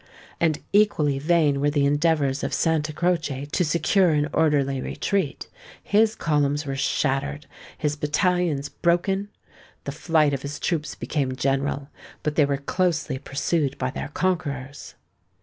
And equally vain were the endeavours of Santa Croce to secure an orderly retreat; his columns were shattered—his battalions broken; the flight of his troops became general; but they were closely pursued by their conquerors.